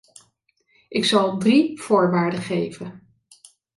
Ik zal drie voorwaarden geven.